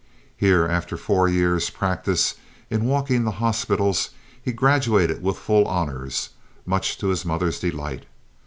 Here, after four years' practice in walking the hospitals, he graduated with full honours, much to his mother's delight.